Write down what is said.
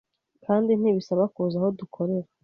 kandi ntibisaba kuza aho dukorera.”